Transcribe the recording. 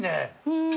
うん。